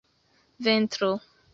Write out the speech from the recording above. ventro